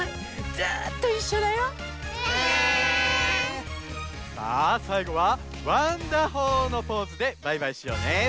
ずっといっしょだよ。ねえ！さあさいごは「ワンダホー！」のポーズでバイバイしようね！